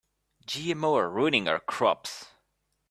GMO are ruining our crops.